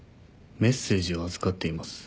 メッセージを預かっています。